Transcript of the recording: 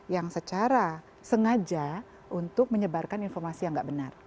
yang secara sengaja untuk menyebarkan informasi yang tidak benar